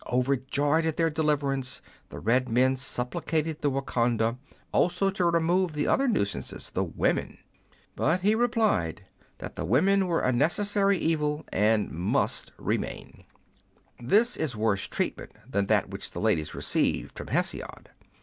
Overjoyed at their deliverance, the red men supplicated the Wahconda also to remove the other nuisances, the women ; but he replied that the women were a necessary evil and must remain,^ This is worse treatment than that which the ladies received from Hesiod.